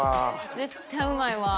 絶対うまいわ。